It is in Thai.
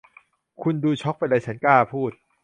คุณดูช็อคไปเลย ฉันกล้าพูด